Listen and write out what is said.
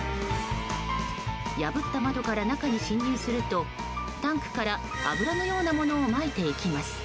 破った窓から中に侵入するとタンクから油のようなものをまいていきます。